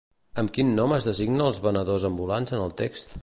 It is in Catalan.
Amb quin nom es designa als venedors ambulants en el text?